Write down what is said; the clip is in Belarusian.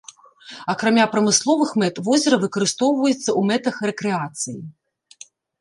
Акрамя прамысловых мэт, возера выкарыстоўваецца ў мэтах рэкрэацыі.